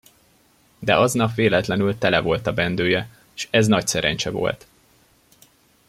De aznap véletlenül tele volt a bendője, s ez nagy szerencse volt.